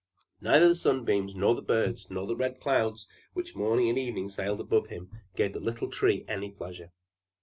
Neither the sunbeams, nor the birds, nor the red clouds which morning and evening sailed above him, gave the little Tree any pleasure.